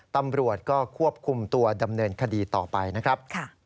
ตำรวจก็ควบคุมตัวดำเนินคดีต่อไปนะครับ